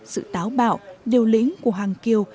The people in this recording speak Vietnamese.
sự táo bạo điều lĩnh của hoàng kiều